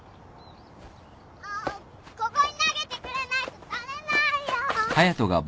あっここに投げてくれないと捕れないよ。